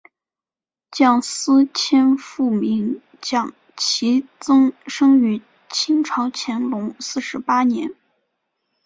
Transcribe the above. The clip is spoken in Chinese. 蒋斯千父名蒋祈增生于清朝乾隆四十八年。